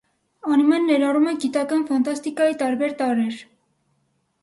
Անիմեն ներառում է գիտական ֆանտաստիկայի տարբեր տարրեր։